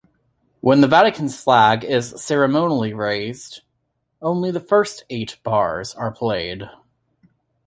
When the Vatican's flag is ceremonially raised, only the first eight bars are played.